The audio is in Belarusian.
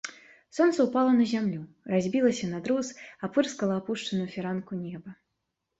Сонца ўпала на зямлю, разбілася на друз, апырскала апушчаную фіранку неба.